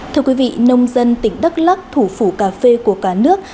thưa quý vị nông dân tỉnh đắk lắc thủ phủ cà phê của cả nước